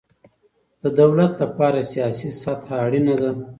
د دولت له پاره سیاسي سطحه اړینه ده.